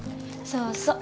そうそう。